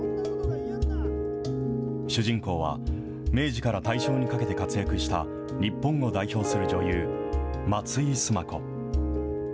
主人公は、明治から大正にかけて活躍した日本を代表する女優、松井須磨子。